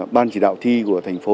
ban chỉ đạo thi của thành phố